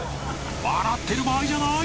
［笑ってる場合じゃない！］